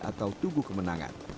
atau tugu kemenangan